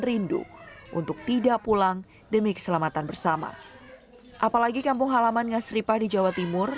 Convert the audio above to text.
rindu untuk tidak pulang demi keselamatan bersama apalagi kampung halaman ngas ripa di jawa timur